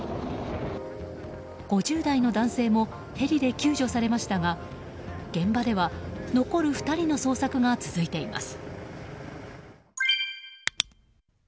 ５０代の男性もヘリで救助されましたが現場では残る２人の捜索が続いています。